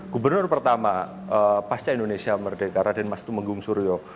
gubernur pertama pasca indonesia merdeka raden mastu menggung suryo